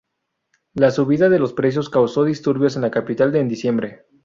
La subida de los precios causó disturbios en la capital en diciembre.